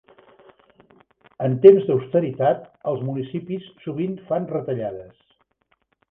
En temps d'austeritat, els municipis sovint fan retallades.